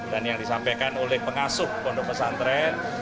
dan yang disampaikan oleh pengasuh pondok pesantren